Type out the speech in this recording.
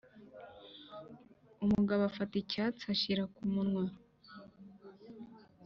umugabo afata icyatsi ashyira kumunwa